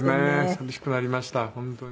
寂しくなりました本当に。